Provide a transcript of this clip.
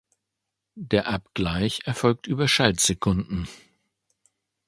Der Abgleich erfolgt über Schaltsekunden.